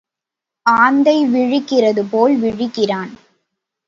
ஆந்தை விழிக்கிறது போல விழிக்கிறான்.